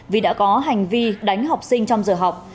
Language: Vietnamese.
vì đã có hành vi đánh học sinh trong giờ học